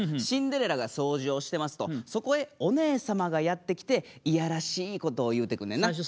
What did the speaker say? シンデレラが掃除をしてますとそこへおねえ様がやって来て嫌らしいことを言うてくんねんな。